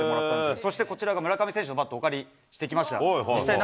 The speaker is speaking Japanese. そしてこちらが、村上選手のバット、お借りしてきました。